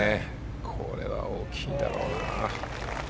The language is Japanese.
これは大きいだろうな。